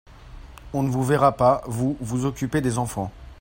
On ne vous verra pas, vous, vous occuper des enfants.